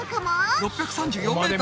６３４ｍ！